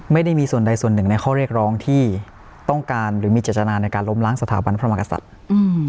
ไม่ได้มีส่วนใดส่วนหนึ่งในข้อเรียกร้องที่ต้องการหรือมีเจตนาในการล้มล้างสถาบันพระมากษัตริย์อืม